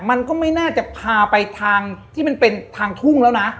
มันก็ไม่น่าจะพาไปทางที่มันเป็นทางทุ่งแล้วนะ